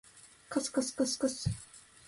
かすかすかすかす